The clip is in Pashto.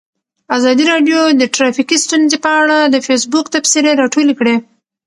ازادي راډیو د ټرافیکي ستونزې په اړه د فیسبوک تبصرې راټولې کړي.